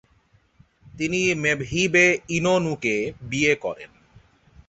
তিনি মেভহিবে ইনোনুকে বিয়ে করেন।